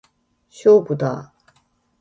勝負だー！